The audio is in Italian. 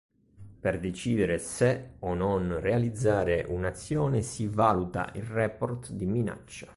Per decidere se o non realizzare un'azione si valuta il report di minaccia.